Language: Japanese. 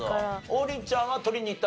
王林ちゃんは撮りに行った？